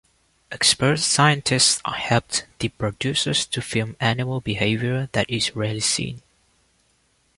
Expert scientists helped the producers to film animal behaviour that is rarely seen.